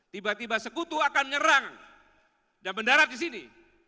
tiba tiba sekutu akan nyerang dan mendarat di sini